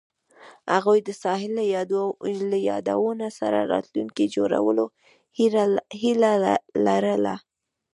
هغوی د ساحل له یادونو سره راتلونکی جوړولو هیله لرله.